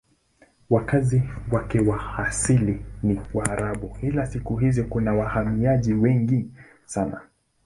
Wakazi wake wa asili ni Waarabu ila siku hizi kuna wahamiaji wengi sana.